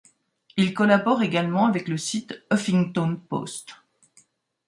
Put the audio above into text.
Il collabore également avec le site Huffington Post.